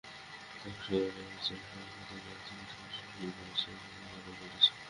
তবে জেলা শহরগুলোতেও গ্রাম থেকে আসা মানুষের ভিড় বেড়েছে এবং আরও বাড়ছে।